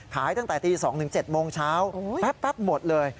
ขายตั้งแต่ตี๒๗โมงเช้าแป๊บหมดเลย